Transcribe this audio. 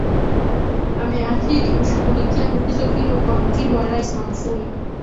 Ameahidi kushughulikia tatizo hilo kwa mtindo wa Rais Magufuli